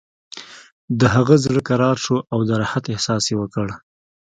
د هغه زړه کرار شو او د راحت احساس یې وکړ